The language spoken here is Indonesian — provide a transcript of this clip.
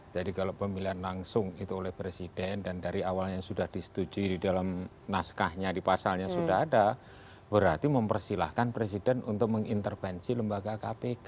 jadi kalau pemilihan langsung itu oleh presiden dan dari awalnya sudah disetujui di dalam naskahnya di pasalnya sudah ada berarti mempersilahkan presiden untuk mengintervensi lembaga kpk